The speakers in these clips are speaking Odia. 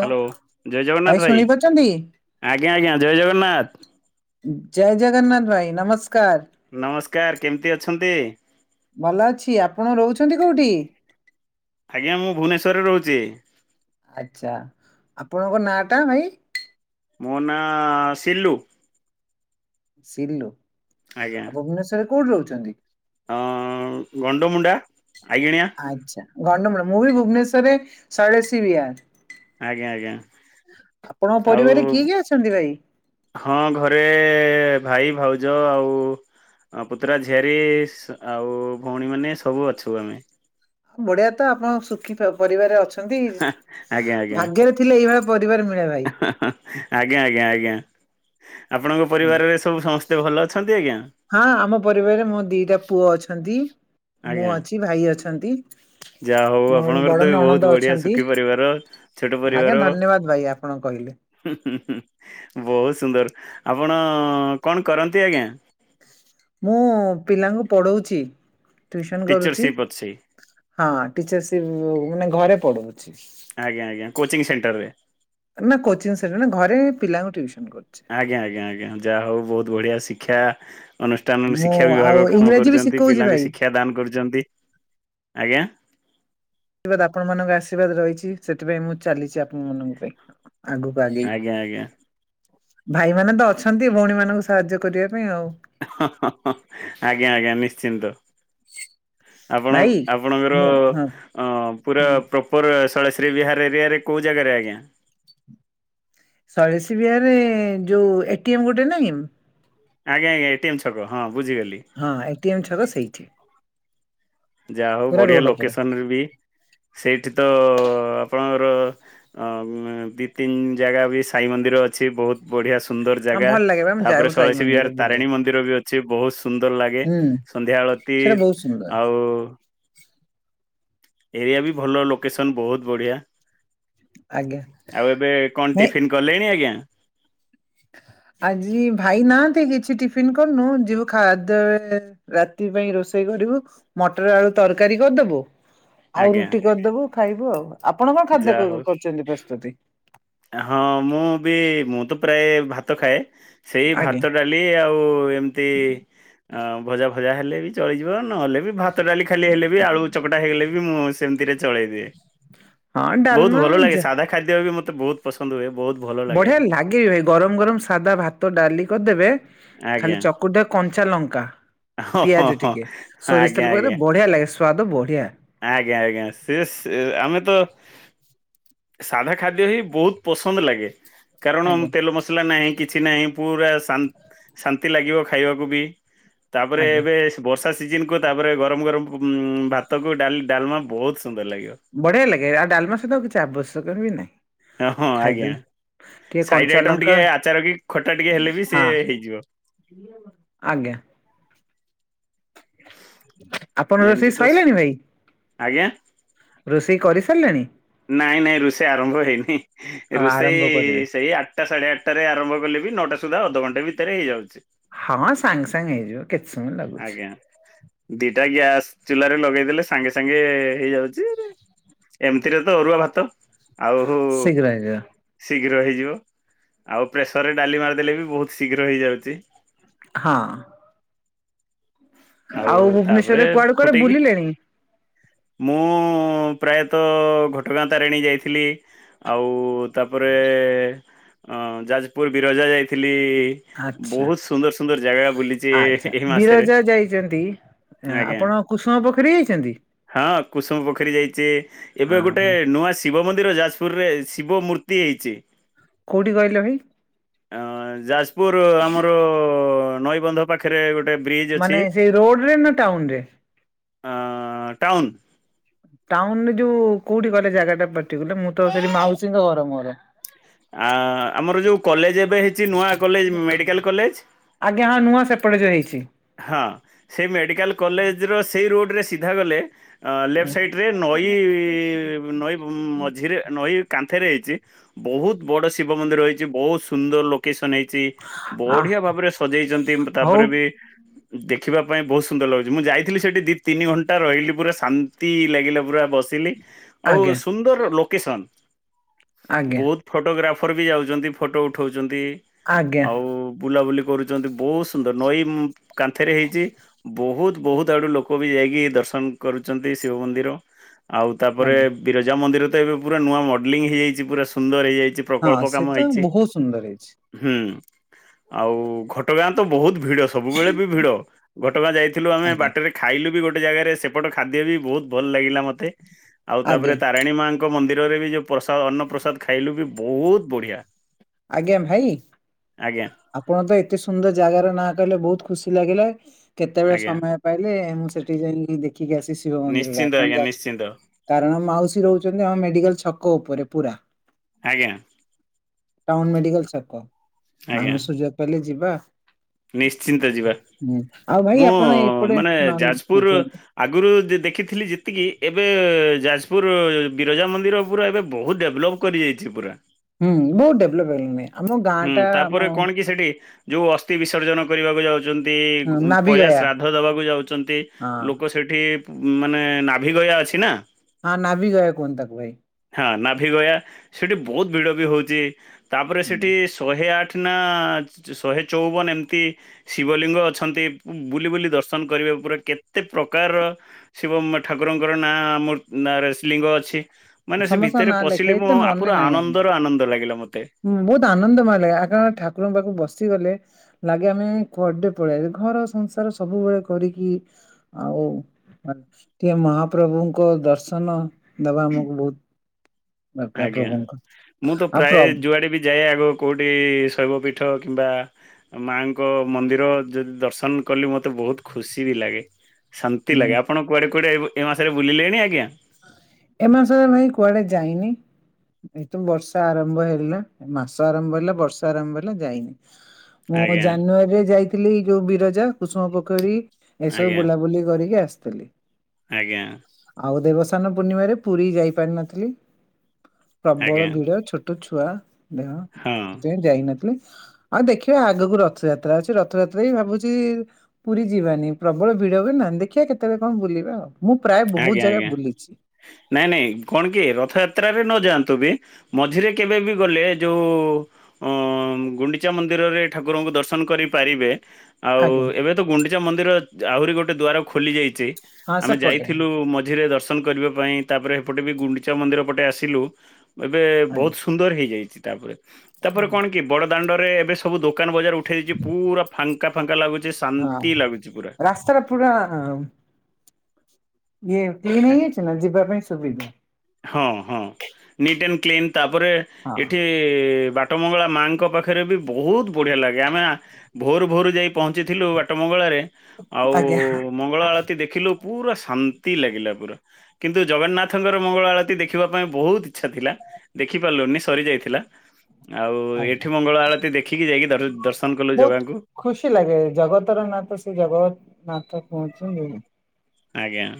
ହ୍ୟାଲୋ ଜୟ ଜଗନ୍ନାଥ ଭାଇ ଆଜ୍ଞା ଆଜ୍ଞା ଜୟ ଜଗନ୍ନାଥ। ଜୟ ଜଗନ୍ନାଥ ଭାଇ ନମସ୍କାର। ନମସ୍କାର କେମିତି ଅଛନ୍ତି? ଭଲ ଅଛି ଆପଣ ରହୁଛନ୍ତି କୋଉଠି? ଆଜ୍ଞା ମୁଁ ଭୁବନେଶ୍ୱରରେ ରହୁଚି। ଆଛା ଆପଣଙ୍କ ନା ଟା ଭାଇ? ମୋ ନାଁ ସିଲୁ। ସିଲୁ, ଆ ଭୁବନେଶ୍ଵରରେ କୋଉଠି ରହୁଚନ୍ତି? ହ ଗଣ୍ଡମୁଣ୍ଡା ଆଇଗିଣିଆ ଆଚ୍ଛା ଗଣ୍ଡମୋଳ ମୁଁ ବି ଭୁବନେଶ୍ୱରରେ ଶୈଳଶ୍ରୀବିହାର। ଆଜ୍ଞା ଆଜ୍ଞା ଆପଣଙ୍କ ଆଉ ପରିବାରରେ କିଏ କିଏ ଅଛନ୍ତି ଭାଇ? ହଁ ଘରେ ଭାଇ ଭାଉଜ ଆଉ ହଁ ପୁତୁରା ଝିଆରୀ ଆଉ ଭଉଣୀ ମାନେ ସବୁ ଅଛନ୍ତି। ବଢିଆ ତ ଆପଣ ସୂ ପରିବାରେ ଅଛନ୍ତି ଆଜ୍ଞା ଆଜ୍ଞା ଭାଗ୍ୟରେ ଥିଲେ ଏଇଭଳିଆ ପରିବାର ମିଳେ ଭାଇ। ଆଜ୍ଞା ଆଜ୍ଞା ଆଜ୍ଞା ଆପଣଙ୍କ ଆଜ୍ଞା। ପରିବାରରେ ସବୁ ସମସ୍ତେ ଭଲ ଅଛନ୍ତି ଆଜ୍ଞା। ହଁ ଆମ ପରିବାରରେ ମୋ ଦିଇଟା ପୁଅ ଅଛନ୍ତି। ମୁଁ ଆଜ୍ଞା ଅଛି ଭାଇ ଅଛନ୍ତି। ଯାହା ହଉ ମୋର ଆପଣଙ୍କର ତ ବଡ଼ ବି ବହୁତ ନଣନ୍ଦ ବଢିଆ ଅଛନ୍ତି। ସୁଖୀ ପରିବାର ଛୋଟ କଣ କହିଲେ? ହୁଁ ହୁଁ ବହୁତ ସୁନ୍ଦର ଆପଣ କଣ କରନ୍ତି ଆଜ୍ଞା? ମୁଁ ପିଲାଙ୍କୁ ପଢଉଛି ଟ୍ୟୁସନ କରୁଛି। ଟିଚରସିପ୍ ଅଛି ହଁ ଟିଚରର୍ସିପ ଉଁ ମାନେ ଘରେ ପଢଉଛି। ଆଜ୍ଞା ଆଜ୍ଞା କୋଚିଂ ସେଣ୍ଟର ରେ। ନା କୋଚିଂ ସେଟର ନା ଘରେ ପିଲାଙ୍କୁ ଟ୍ଯୁସନ କରୁଛି। ଆଜ୍ଞା ଆଜ୍ଞା ଆଜ୍ଞା ଯାହା ହଉ ବହୁତ ବଢିଆ ଶିକ୍ଷା। ଅନୁଷ୍ଠାନର ମୁଁ ଶିକ୍ଷା ଆଉ ବିଭାଗ କାମ ଇଂରାଜୀ ବି କରୁଛନ୍ତି ଶିଖଉଛି ପିଲାଙ୍କୁ ଭାଇ ଶିକ୍ଷା ଦାନ କରୁଛନ୍ତି ଆଜ୍ଞା। ଆଶୀର୍ବାଦ ଆପଣ ମାନଙ୍କ ଆଶୀର୍ବାଦ ରହିଛି ସେଥିପାଇଁ ମୁଁ ଚାଲିଛି ଆପଣ ମାନଙ୍କ ପାଇଁ ଆଗକୁ ଆଜ୍ଞା ଆଜ୍ଞା। [unintelligible] ଭାଇମାନେ ତ ଅଛନ୍ତି ଭଉଣୀ ମାନଙ୍କୁ ସାହାଯ୍ୟ କରିବା ପାଇଁ ଆଉ। ହଁ ହଁ ହଁ ଆଜ୍ଞା ଆଜ୍ଞା ନିଶ୍ଚିନ୍ତ। ଆପଣ ଭାଇ ଆପଣଙ୍କର ମୁଁ ହଁ ଅ ପୁରା ହୁଁ। ପ୍ର ଉପରେ ଶୈଳଶ୍ରୀ ବିହାର ଏରିଆରେ କଉ ଜାଗାରେ ଆଜ୍ଞା? ଶୈଳଶ୍ରୀ ବିହାରେ ଯଉ ଏ ଟି ଏମ ଗୋଟେ ନାହିଁ ଆଜ୍ଞା ଆଜ୍ଞା ଏ ଟି ଏମ ଛକ ହଁ ବୁଝିଗଲି। ହଁ ଏଟିଏମ୍ ଛକ ସେଇଠି। ଯାହା ହୋଉ ପୁରା ବଢିଆ ରୋଡ ଉପରେ। ଲୋକେସନରେ ବି ସେଇଠି ତ ଆପଣଙ୍କର ଆଁ ଦି ତିନି ଜାଗା ବି ସାଇ ମନ୍ଦିର ଅଛି ବୋହୁତ ବଢିଆ ସୁ ସୁନ୍ଦର ହଁ ଜାଗା ଭଲ ଲାଗେ ବା ଆମେ ତାପରେ ଯାଉ ସାଇ ସଳସୀ ମନ୍ଦିର ବିହାର ବୁଲିବା ତାରିଣୀ ମନ୍ଦିର ବି ଅଛି। ଚି ବୋହୁତ୍ ସୁନ୍ଦର ଲାଗେ ହୁଁ ସନ୍ଧ୍ୟା ଆଳତି ସେଟା ବହୁତ ସୁନ୍ଦର ଆଉ ଏରିଆ ବି ଭଲ ଲୋକେସନ୍ ବୋହୁତ୍ ବଢିଆ ଆଜ୍ଞା। ଆଉ ଏବେ କଣ ନାଇଁ ଟିଫିନ୍। ଗଲେଣି ଆଜ୍ଞା। ଆଜି ଭାଇ ନାହାନ୍ତି କିଛି ଟିଫିିନ କରୁନୁ ଯିବୁ ଖାଦ୍ୟ ବେଳେ ରାତି ପାଇଁ ରୋଷେଇ କରିବୁ ମଟର ଆଳୁ ତରକାରୀ କର୍ଦବୁ। ଆଉ ଆଜ୍ଞା ରୁଟି କରିଦେବୁ ଖାଇବୁ ଆଉ। ଆପଣ କଣ ଖାଦ୍ୟ ଯାହା କ ହଉ। କରୁଛନ୍ତି ପ୍ରସ୍ତୁତି? ହଁ ମୁଁ ବି ମୁଁ ତ ପ୍ରାୟ ଭାତ ଖାଏ ସେଇ ଆଜ୍ଞା ଭାତ ଡାଲ ଲି ଆଉ ଏମିତି ଅ ଭଜା ଭଜା ହେଲେ ବି। ଚଳିଯିବ ନହେଲେ ବି ଭାତ ଡାଲି ଖାଲି ହେଲେ ବି ଆଳୁ ଚକଟା ହେଇଲେ ବି ମୁଁ ସେମ୍ତିରେ ଚଳେଇ ଦିଏ ହଁ ବୋହୁତ୍ ଡାଲମା ଭଲ ଲାଗେ ଯା ସାଧା ଖାଦ୍ୟ ବି ମତେ ବୋହୁତ୍ ପସନ୍ଦ ହୁଏ ବହୁତ ଭଲ। ବଢିଆ ଲାଗେ ବିି ଗରମ୍ ଗରମ୍ ସାଧା ଭାତ ଡାଲି କର୍ଦେବେ। ଖାଲି ଆଜ୍ଞା। ଚକୁଟା କଞ୍ଚା ଲଙ୍କା। ହଁ ହଁ ପିଆଜ ହଁ ଟିକେ ସୋରିଷ ଆଜ୍ଞା ତେଲ ପକେଇ ଆଜ୍ଞା ଦବ ବଢିଆ ଲାଗେ ସ୍ଵାଦ ବଢିଆ। ଆଜ୍ଞା ଆଜ୍ଞା ସେସ୍ ଆମେ ତ ସାଧା ଖାଦ୍ୟ ହିଁ ବହୁତ ପସନ୍ଦ ଲାଗେ କାରଣ ଆଜ୍ଞା ତେଲ ମସଲା ନାହିଁ। କିଛି ନାଇଁ ପୁରା ଶା ଶାନ୍ତି ଲାଗିବ ଖାଇବାକୁ ବି ତାପ୍ରେ ଆଜ୍ଞା। ଏବେ। ବର୍ଷା ସିଜନକୁୁ ତାପରେ ଗରମ ଗରମ ଉଁ ଭାତକୁ ଡାଲ୍ ଡାଲି ଡାଲମା ବହୁତ ସୁନ୍ଦର ଲାଗିବ। ବଢିଆ ଲାଗେ ଆଉ ଡାଲମା ସହିତ କିଛି ଆବଶ୍ୟକ ବି ନାହିଁ। ହଁ ହଁ ଆଜ୍ଞା। ଖାଇଦେଲେ ଟିକେ ସାଇଡ୍ କଞ୍ଚା ଆଇଟମ ଲଙ୍କା ଟିକେ ଆଚାର କି ଖଟା ଟିକେ ହେଲେ ବି ହଁ ସିଏ ହେଇଯିବ। ଆଜ୍ଞା। ଆପଣ ଏମିତି ରୋଷେଇ ତ ସଇଲାଣିି ଭାଇ। ଆଜ୍ଞା ରୋଷେଇ କରିସାରିଲେଣି। ନାଇଁ ନାଇଁ ରୁଷେଇ ଆରମ୍ଭ ହେଇନି ଆଉ ରୋଷେଇ ଆରମ୍ଭ କରିବେ ସେଇ ଆଠ ଆଠଟା ସାଢେ ଆଠଟାରେ ଆରମ୍ଭ କଲେ ବି ନଅଟା ସୁଧା ଅଧଘଣ୍ଟା ଭିତରେ ହେଇଯାଉଛି। ହଁ ସାଙ୍ଗ ସାଙ୍ଗ ହେଇଯିବ। କିଛି ସମୟ ଲାଗ ଆଜ୍ଞା ଦିଟା ଗ୍ୟାସ୍ ଚୁଲାରେ ଲଗେଇ ଦେଲେ ସାଙ୍ଗେ ସାଙ୍ଗେ ହେଇଯାଉଛି। ଏମିତିରେ ତ ଅରୁଆ ଭାତ ଆଉ ଶୀଘ୍ର ହେଇଯିବ ଶୀଘ୍ର ହେଇଯିବ ଆଉ ପ୍ରେସରରେ ଡାଲି ମାରିଦେଲେ ବି ବହୁତ ଶୀଘ୍ର ହେଇଯାଉଛି। ହଁ। ଆଉ ତାପରେ ଭୁବନେଶ୍ୱରରେ କୁଆଡେ କୁଆଡେ ଫୁଟେଇକି ବୁଲିଲେଣି ମୁଁ ପ୍ରାୟତଃ ଘଟଗାଁ ତାରିଣୀ ଯାଇଥିଲି। ଆଉ ତାପ୍ରେ ଯାଜ୍ପୁର୍ ବିରଜା ଯାଇଥିଲି। ଆଚ୍ଛା ବୋହୁତ୍ ସୁନ୍ଦର୍ ସୁନ୍ଦର୍ ଜାଗା ବୁଲିଚେ ଆଚ୍ଛା ଏଇ ମାସେରେ। ବିରଜା ଯାଇଛନ୍ତି। ଆଁ, ଆଜ୍ଞା ଆପଣ କୁସୁମ ପୋଖରୀ ଯାଇଛନ୍ତି ହଁ କୁସୁମ ପୋଖରୀ ଯାଇଚି ଏବେ ଆଁ, ଗୋଟେ ନୂଆ ଶିବ ମନ୍ଦିର ଯାଜପୁର ରେ ଶିବ ମୂର୍ତ୍ତି ହେଇଛି। କୋଉଠି କହିଲ ଭାଇ? ଅ ଯାଜପୁର ଆମର ନଈବନ୍ଧ ପାଖରେ ଗୋଟେ ବ୍ରିଜ ଅଛି। ମାନେ ସେଇ ରୋଡରେ ନା ଟାଉନ ରେ? ଆଁ ଟାଉନ୍। ଟାଉନରେ ଯୋଉ କୋଉଠି କହିଲେ ଜାଗାଟା ପଟିକୁଲାର୍ ମୁଁ ତ ସେଠି ମାଉସୀଙ୍କ ଘର ମୋର। ଆ ଆମର ଯୋଉ କଲେଜ ଏବେ ହେଇଛି ନୂଆ କଲେଜ ମେଡିକାଲ କଲେଜ। ଆଜ୍ଞା ହଁ ନୂଆ ସେପଟେ ଯୋଉ ହେଇଛି। ହଁ ସେଇ ମେଡ଼ିକାଲ କଲେଜର ସେଇ ରୋଡ଼ରେ ସିଧା ଗଲେ ଅ ଲେଫ୍ଟ ସାଇଟରେ ନଈ ନଈ ମଝିରେ ନଈ କାନ୍ଥରେ ହେଇଛି ବହୁତ ବଡ ଶିବ ମନ୍ଦିର ହେଇଛି ବହୁତ ସୁନ୍ଦର ଲୋକ କେଶନ ହେଇଛି ଆ ବଢିଆ ଭାବରେ ସଜେଇଛନ୍ତି ହଉ ତାପରେ ବି ଦେଖିବା ପାଇଁ ବହୁତ ସୁନ୍ଦର ଲାଗୁଛି, ମୁଁ ଯାଇଥିଲି, ସେଠି ଦି ତିନି ଘଣ୍ଟା ରହିଲି, ପୁରା ଶାନ୍ତି ଲାଗିଲା ପୁରା ବସି ଲି ଆଉ ଆଜ୍ଞା ସୁନ୍ଦର ଲୋକେସନ୍ ଆଜ୍ଞା ବୋ ଫଟୋଗ୍ରାଫର୍ ବି ଯାଉଛନ୍ତି ଫଟୋ ଉଠାଉଛନ୍ତି ଆଜ୍ଞା ଆଉ ବୁଲାବୁଲି କରୁଛନ୍ତି ବହୁତ ସୁନ୍ଦର ନଈ ଉଁ କାନ୍ଥରେ ହେଇଛି। ବହୁତ ବହୁତ ଆଡୁ ଲୋକ ବି ଯାଇକି ଦର୍ଶନ କରୁଛନ୍ତି ଶିବ ମନ୍ଦିର। ଆଉ ତାପରେ ଆଜ୍ଞା ବିରଜା ମନ୍ଦିର ତ ଏବେ ପୁରା ନୂଆ ମଡେଲିଙ୍ଗ ହେଇଯାଇଛି ପୁରା ସୁନ୍ଦର ହେଇଯାଇଛି। ହଁ ପ୍ରକଳ୍ପ ସେ କାମ ତ ହେଇଛି ବହୁତ ସୁନ୍ଦର ହେଇଛି। ହୁଁ ଆଉ ଘଟଗାଁ ତ ବହୁତ ଭିଡ ସବୁ ଭିଡ ଘଟଗାଁ ଯାଇଥିଲୁ ଆମେ ଆଜ୍ଞା ବାଟରେ ଖାଇଲୁ ବି ଗୋଟେ ଜାଗାରେ, ସେପଟ ଖାଦ୍ୟ ବି ବହୁତ ଭଲ ଲାଗିଲା ମତେ, ଆଉ ତାପରେ ଆଜ୍ଞା ତା ରାଣୀ ମାଙ୍କ ମନ୍ଦିରରେ ବି ଯେଉଁ ପ୍ରସାଦ ଅନ୍ନପ୍ରସାଦ ଖାଇଲୁ ବି ବହୁତ ବଢ଼ିଆ। ଆଜ୍ଞା ଭାଇ ଆପଣ ତ ଏତେ ସୁନ୍ଦର ଜାଗାର ନାଁ କହିଲେ ବହୁତ ଖୁସି ଲାଗିଲା। କେତେବେଳେ ଆଜ୍ଞା ସମୟ ପାଇଲେ ମୁଁ ସେଠି ଯାଇଁକି ଦେଖିକି ଆସି ଶିବ ମନ୍ଦିରଟା ନିଶ୍ଚିନ୍ତ କଣ ଆଜ୍ଞା ଯା ନିଶ୍ଚିନ୍ତ କାରଣ ମାଉସୀ ରହୁଛନ୍ତି ଆମ ମେଡିକାଲ ଛକ ଉପରେ ପୁରା। ଆଜ୍ଞା। ଟାଉନ୍ ମେଡିକାଲ୍ ଛକ ଆଜ୍ଞା ଆମେ ସୁଯୋଗ ପାଇଲେ ଯିବା। ନିଶ୍ଚିନ୍ତ ଯିବା। ହୁଁ ଆଉ ଭାଇ ମୁଁ ଆପଣ ଏପଟେ ମାନେ ନନ୍ ଯାଜପୁର କୁହନ୍ତୁ ଆଗରୁ ଯେ ଦେଖିଥିଲି ଯେତିକି ଏବେ ଯାଜପୁର ବିରଜା ମନ୍ଦିର ଉପୁର ଏବେ ବହୁତ ଡେଭଲପ୍ କରିଯାଇଛି ପୁରା। ହୁଁ ବହୁତ ଡେଭଲପ [unintelligible] ହୁଁ ଟା ତାପରେ ଆମ କଣ କି ସେଠି ଯୋଉ ଅସ୍ଥି ବିସର୍ଜନ କରିବାକୁ ଯାଉ ଛନ୍ତି, ନାଭି ପୟା ଗୟା ଶ୍ରାଦ୍ଧ ଦେବାକୁ ଯାଉଛନ୍ତି ହଁ ଲୋକ ସେଠି ମାନେ ନାଭି ଗୟା ଅଛି ନା। ହଁ ନାଭି ଗୟା କିହନ୍ତି ତାକୁ ଭାଇ। ହଁ ନାଭି ଗୟା ସେଠି ବହୁତ ଭିଡ ବି ହଉଛି ତାପରେ ସେଠି ଶହେ ଆଠ ନା ଶହେ ଚଉବନ ଏମତି ଶିବଲିଙ୍ଗ ଅଛନ୍ତି ବୁଲି ବୁଲି ଦର୍ଶନ କରିବା ପୁରା କେତେ ପ୍ରକାରର ଶିବ ମ ଠାକୁରଙ୍କର ନାଁ ଆମର ନାଁରେସ ଲିଙ୍ଗ ଅଛି। ମାନେ ସେ ସମସ୍ତଙ୍କ ଭିତରେ ନାଁ ଲେଖା ପଶିଲି ଏତେ ମୁଁ ମନେ ପୁରା ନାହିଁ ଆମର। ଆନନ୍ଦର ଆନନ୍ଦ ଲାଗିଲା ମୋତେ। ବହୁତ ଆନନ୍ଦ ମୟ ଲାଗେ ଆଗ ଠାକୁରଙ୍କ ପାଖକୁ ବସିଗଲେ ଲାଗେ ଆମେ କୁଆଡେ ପଳେଇଆସିଲେ ଘର ସଂସାର ସବୁବେଳେ କରିକି ଆଉ ଟିକେ ମହାପ୍ରଭୁଙ୍କ ଦର୍ଶନ ଦେବା ଆମ [inaudible] ଆଜ୍ଞା ମୁଁ ତ ଆଉ ପ୍ରାୟ ପ୍ରଭୁ ଯୁଆଡେ ବି ଯାଏ ଆଗ କଉଠି ଶୈବ ପୀଠ କିମ୍ବା ମାଙ୍କ ମନ୍ଦିର ଯଦି ଦର୍ଶନ କଲି ମତେ ବହୁତ ଖୁସି ବି ଲାଗେ। ଶାନ୍ତି ହୁଁ ଲାଗେ ଆପଣ କୁଆଡ଼େ କୁଆଡ଼େ ଏ ମାସରେ ବୁଲିଲେଣି ଆଜ୍ଞା? ଏ ମାସରେ ଭାଇ କୁଆଡେ ଯାଇନି। ଏଇ ତ ବର୍ଷା ଆରମ୍ଭ ହେଲା। ମାସ ଆରମ୍ଭ ହେଲା, ବର୍ଷା ଆରମ୍ଭ ହେଲା ଯାଇନି। ମୁଁ ଆଜ୍ଞା ଜାନୁଆରୀରେ ଯାଇଥିଲି ଯୋଉ ବିରଜା କୁଷୁମ ପୋଖରୀ ଏସବୁ ଆଜ୍ଞା ବୁଲାବୁଲି କରିକି ଆସିଥିଲି। ଆଜ୍ଞା। ଆଉ ଦେବସ୍ନାନ ପୂର୍ଣ୍ଣିମାରେ ପୁରୀ ଯାଇପାରିନଥିଲି। ଆଜ୍ଞା ପ୍ରବଳ ଭିଡ ଛୋଟ ଟ ଛୁଆ ଦେହ ହଁ ସେଥିପାଇଁ ଯାଇନଥିଲି। ଆଉ ଦେଖିବା ଆଗକୁ ରଥଯାତ୍ରା ଅଛି ରଥଯାତ୍ରା ବି ଭାବୁଛି ପୁରୀ ଯିବାନି ପ୍ରବଳ ଭିଡ ହୁଏନା ଦେଖିବା କେତେବେଳେ କଣ ବୁଲିବା ଆଉ ମୁଁ ପ୍ରାୟ ବହୁତ ଆଜ୍ଞା ଜାଗା ଆଜ୍ଞା ବୁଲିଛି। ନାଇଁ ନାଇଁ କଣ କି ରଥଯାତ୍ରାରେ ନ ଯାଆନ୍ତୁ ବି ମଝିରେ କେବେ ବି ଗଲେ ଯୋଉ ଅଁ ଗୁଣ୍ଡିଚା ମନ୍ଦିରରେ ଠାକୁରଙ୍କୁ ଦର୍ଶନ କରିପାରିବେ। ଆଉ ଆଜ୍ଞା ଏବେ ତ ଗୁଣ୍ଡିଚା ମନ୍ଦିର ଆହୁରି ଗୋଟେ ଦ୍ୱାର ଖୋଲିଯାଇଛି। ହଁ ସେପଟେ। ମଝିରେ ଦର୍ଶନ କରିବା ପାଇଁ ତା ପରେ ଏ ପଟେ ବି ଗୁଣ୍ଡିଚା ମନ୍ଦିର ପଟେ ଆସିଲୁ। ଏବେ ବହୁତ ସୁ ଆଜ୍ଞା। ସୁନ୍ଦର ହେଇଯାଇଚି ତାପରେ, ତାପରେ କଣ କି ବଡ ଦାଣ୍ଡ ରେ ଏବେ ସବୁ ଦୋକାନ ବଜାର ଉଠେଇକି ପୁରା ଫାଙ୍କା ଫାଙ୍କା ଲାଗୁଛି ଶାନ୍ତି ଲାଗୁଛି ପୁରା। ସେରା ପୁରା ଇଏ କ୍ଲିନ୍ ହେଇଯାଇଛି ନା ଯିବା ପାଇଁ ସୁବିଧା। ହଁ, ହଁ ନିଟ୍ ଆଣ୍ଡ କ୍ଲିନ ତାପରେ ହଁ ଏଠି ଏ ବାଟମଙ୍ଗଳା ମାଆଙ୍କ ପାଖରେ ବି ବହୁତ ବଢ଼ିଆ ଲାଗେ ଆମେ ଭୋରୁ ଭୋରୁ ଯାଇ ପହଞ୍ଚିଥିଲୁ ବାଟ ମଙ୍ଗଳାରେ। ଆଉ ଆଜ୍ଞା ମଙ୍ଗଳା ଆଳତି ଦେଖିଲୁ ପୁରା ଶାନ୍ତି ଲାଗିଲା ପୁରା। କିନ୍ତୁ ଜଗନ୍ନାଥଙ୍କର ମଙ୍ଗଳ ଆଳତି ଦେଖିବା ପାଇଁ ବହୁତ ଇଚ୍ଛା ଥିଲା ଦେଖି ପାରିଲୁନି ସରିଯାଇଥିଲା। ଆଉ ଆଜ୍ଞା। ଏଠି ମଙ୍ଗଳା ଆଳତି ଦେଖିକି ଯାଇକି ଦର ଦର୍ଶନ କଲୁ ବହୁତ ଜଗାଙ୍କୁ। ଖୁସି ଲାଗେ ଜଗତର ନାଥ ସେ ଜଗତ ନାଥ। [unintelligible] ଆଜ୍ଞା।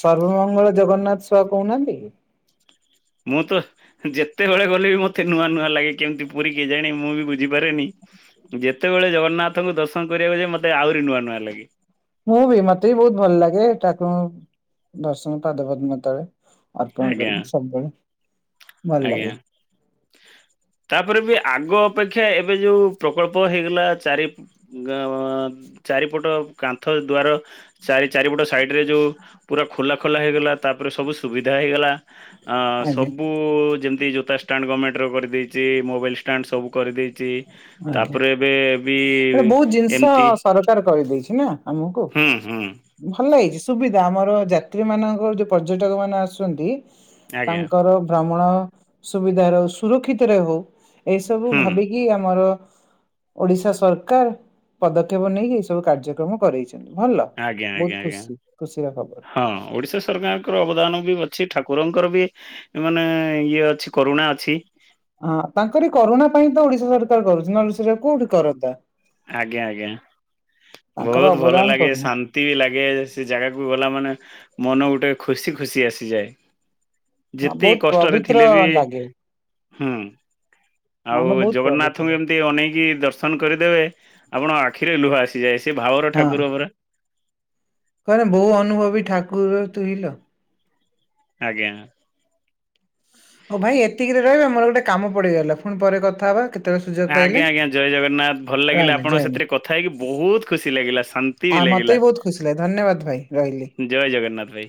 ସର୍ବମଙ୍ଗଳ ଜଗନ୍ନାଥ ସୁଆ କହୁନାହାନ୍ତି କି? [inaudible] ଯେତେବେଳେ ଗଲେ ବି ମତେ ନୂଆ ନୂଆ ଲାଗେ କେମିତି ପୁରୀ କିଏ ଜାଣେ ମୁଁ ବି ବୁଝିପାରେନି। ଯେତେବେଳେ ଜଗନ୍ନାଥଙ୍କୁ ଦର୍ଶନ କରିବାକୁ ଯାଏ, ମତେ ଆହୁରି ନୂଆ ନୂଆ ଲାଗେ। ମୁଁ ବି ମତେ ବି ବହୁତ ଭଲ ଲାଗେ, ଠାକୁରଙ୍କୁ ଦର୍ଶନ ପାଦପଦ୍ମ ତଳେ। ଅର୍ପଣ ଆଜ୍ଞା। କଲେ ସବୁବେଳେ ଭଲ ଆଜ୍ଞା ଲାଗେ। ତାପରେ ବି ଆଗ ଅପେକ୍ଷା ଏବେ ଯୋଉ ପ୍ରକଳ୍ପ ହେଇଗଲା ଚାରି ଚାରିପଟ କାନ୍ଥ ଦୁଆର ଚାରି ଚାରିପଟ ସାଇଡ ରେ ଯୋଉ ପୁରା ଖୋଲା ଖୋଲା ହେଇଗଲା, ତାପରେ ସବୁ ସୁବିଧା ଦେହ ହେଇଗଲା, ଆଁ ଆଜ୍ଞା ସବୁ କୁ ଯେମିତି ଜୋତା ଷ୍ଟାଣ୍ଡ ଗମେଣ୍ଟର କରିଦେଇଛି, ମୋବାଇଲ୍ ଷ୍ଟାଣ୍ଡ ସବୁ କରିଦେଇଛି। ଆଜ୍ଞା। ତାପରେ ଏବେ ବି ଏଟା ବହୁତ ଜିନିଷ ଏମିତି ସରକାର କରିଦେଇଛି ନା ଆମକୁ। ହୁଁ ହୁଁ ଭଲ ହେଇଛି ସୁବିଧା, ଆମର ଯାତ୍ରୀ ମାନଙ୍କର ଯୋଉ ପର୍ଯ୍ୟଟକ ମାନେ ଆସୁଛନ୍ତି। ଆଜ୍ଞା ତାଙ୍କର ଭ୍ରମଣ ସୁବିଧାରେ ହଉ, ସୁରକ୍ଷିତରେ ହଉ ଏସବୁ ହୁଁ ଭାବିକି ଏଇ ଆମର ଓଡିଶା ସରକାର ପଦକ୍ଷେପ ନେଇକି, ଏ ସବୁ କାର୍ଯ୍ୟକ୍ରମ କରେଇଛି। ଭଲ ଆଜ୍ଞା ବହୁତ ଆଜ୍ଞା ଆଜ୍ଞା। ଖୁସି, ଖୁସିର ଖବର। ହଁ ଓଡ଼ିଶା ସରକାରଙ୍କର ଅବଦାନ ବି ଅଛି, ଠାକୁରଙ୍କର ବି ଏମାନେ ଇଏ ଅଛି, କରୁଣା ଅଛି। ହଁ ତାଙ୍କରି କରୁଣା ପାଇଁ ତ ଓଡିଶା ସରକାର କରୁଛି, ନହେଲେ ସେ ଯଉ କୋଉଠି କରନ୍ତା। ଆଜ୍ଞା, ଆଜ୍ଞା ତାଙ୍କର ବହୁତ ଭଲ ଅବଦାନ ଲାଗେ, କରୁନି ଶାନ୍ତି ବି ଲାଗେ ସେ ଜାଗାକୁ ଗଲା ମାନେ, ମନ ଗୋଟେ ଖୁସି ଖୁସି ଆସିଯାଏ। ଯେତେ ବହୁତ କଷ୍ଟରେ ପବିତ୍ର ଥିଲେ ବି। ଲାଗେ ହୁଁ, ମନ ଆଉ ବହୁତ ପବିତ୍ର ଜଗନ୍ନାଥଙ୍କୁ ଲାଗେ। ଏମତି ଅନେଇକି ଦର୍ଶନ କରିଦେବେ ଆପଣଙ୍କ ଆଖିରେ ଲୁହ ଆସିଯାଏ, ସେ ଭାଉର ଠାକୁର ପରା କହେେ ବୋଉ ଅନୁଭବୀ ଠାକୁର ତୁ ହିଲ ଆଜ୍ଞା ହଉ ଭାଇ ଏତିକିରେ ରହିବେ ମୋର ଗୋଟେ କାମ ପଡିଗଲା, ପୁଣି ପରେ କଥା ହବା। କେତେବେଳେ ସୁଯୋଗ ପାଇଲେ ଆଜ୍ଞା ଆଜ୍ଞା, ଜୟ ଜଗନ୍ନାଥ, ଭଲ ଲାଗିଲା ରହିଲି ଆପଣଙ୍କ ଜୟ ମା ସାଥିରେ କଥା ହେଇକି ବହୁତ ଖୁସି ଲାଗିଲା, ଶା ଆ ମତେ ବି ବହୁତ ଖୁସି ଲାଗେ, ଧନ୍ୟବାଦ ଭାଇ ରହିଲି। ଜୟ ଜଗନ୍ନାଥ ଭାଇ।